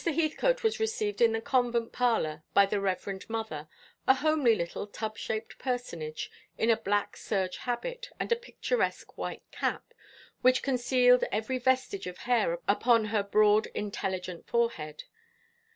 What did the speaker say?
Heathcote was received in the convent parlour by the Reverend Mother, a homely little tub shaped personage, in a black serge habit and a picturesque white cap, which concealed every vestige of hair upon her broad intelligent forehead.